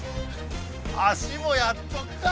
足もやっとくか！